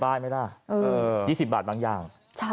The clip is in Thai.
เปลี่ยนป้ายไม่ได้๒๐บาทบางอย่าง